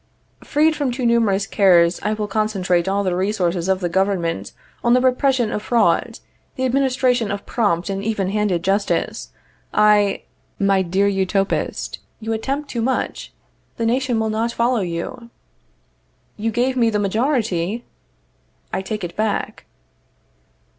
Freed from too numerous cares, I will concentrate all the resources of the government on the repression of fraud, the administration of prompt and even handed justice. I My dear Utopist, you attempt too much. The nation will not follow you. You gave me the majority. I take it back.